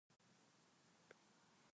香港城市大学讲座教授。